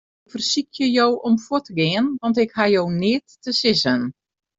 Ik fersykje jo om fuort te gean, want ik haw jo neat te sizzen.